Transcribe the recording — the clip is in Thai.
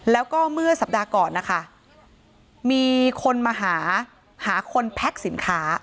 แล้วก็เมื่อสัปดาห์ก่อนนะคะมีคนมาหาหาคนแพ็คสินค้า